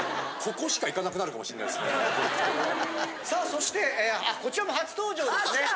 さあそしてあっこちらも初登場ですね。